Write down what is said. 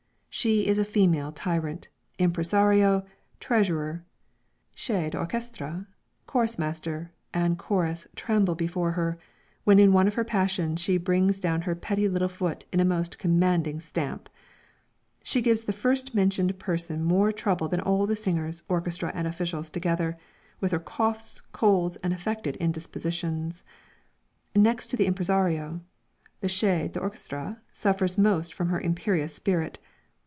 She is a female tyrant. Impresario, treasurer, chef (d'orchestre,) chorus master and chorus tremble before her, when in one of her passions she brings down her pretty little foot in a most commanding stamp. She gives the first mentioned person more trouble than all the singers, orchestra and officials together, with her coughs, colds and affected indispositions. Next to the impresario, the chef (d'orchestre) suffers most from her imperious spirit.